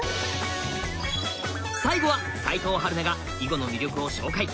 最後は齋藤陽菜が囲碁の魅力を紹介！